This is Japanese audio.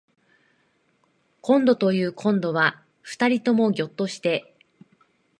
こんどというこんどは二人ともぎょっとして